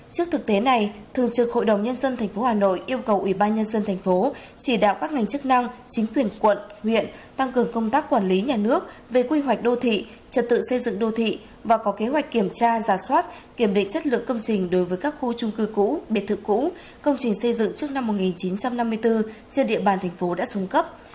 trước thực tế này thường trực hội đồng nhân dân tp hà nội yêu cầu ủy ban nhân dân tp chỉ đạo các ngành chức năng chính quyền quận huyện tăng cường công tác quản lý nhà nước về quy hoạch đô thị trật tự xây dựng đô thị và có kế hoạch kiểm tra giả soát kiểm định chất lượng công trình đối với các khu trung cư cũ biệt thự cũ công trình xây dựng trước năm một nghìn chín trăm năm mươi bốn trên địa bàn tp đã xuống cấp